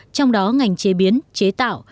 trong đó ngành chế biến chế tạo